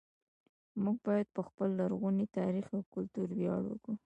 موږ باید په خپل لرغوني تاریخ او کلتور ویاړ وکړو